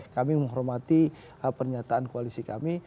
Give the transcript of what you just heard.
kami menghormati pernyataan koalisi kami